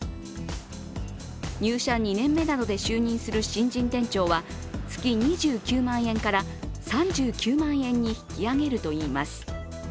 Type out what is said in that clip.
入社２年目などで就任する新人店長は月２９万円から３９万円に引き上げるといいます。